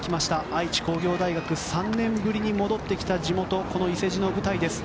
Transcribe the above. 愛知工業大学３年ぶりに戻ってきた地元この伊勢路の舞台です。